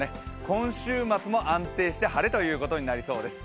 今週末も安定して晴れということになりそうです。